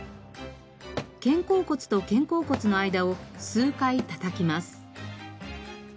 肩甲骨と肩甲骨の間を数回叩きます。